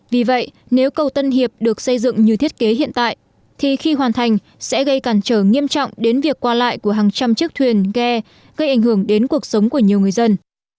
vì vậy nếu cầu tân hiệp được xây dựng như thiết kế hiện tại thì khi hoàn thành sẽ gây cản trở nghiêm trọng đến việc qua lại của hàng trăm chiếc thuyền ghe gây ảnh hưởng đến cuộc sống của nhiều người dân